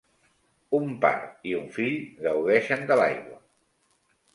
Un par i un fill gaudeixen de l'aigua.